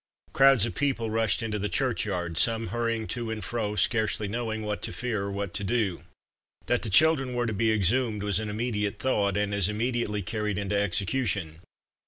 Crowds of people rushed into the churchyard, some hurrying to and fro, scarcely knowing what to fear or what to do. That the children were to be exhumed was an immediate thought, and as immediately carried into execution.